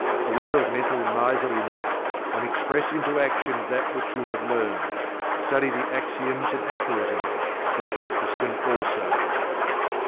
Beware of Mental Miserliness, and express into Action that which you have learned. Study the Axioms and Aphorisms, but practice them also.